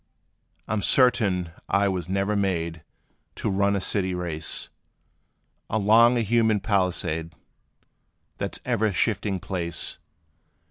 I 'm certain I was never made To run a city race, Along a human palisade, That 's ever shifting place.